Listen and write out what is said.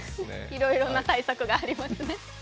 いろいろな対策がありますね。